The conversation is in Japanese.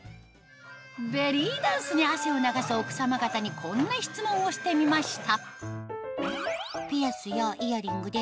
ベリーダンスに汗を流す奥様方にこんな質問をしてみました